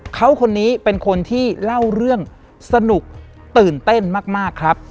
เขาคนนี้เป็นคนที่เล่าเรื่องสนุกตื่นเต้นมากครับ